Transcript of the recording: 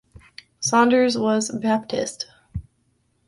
Saunders was Baptist.